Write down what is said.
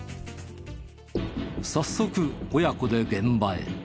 早速親子で現場へ。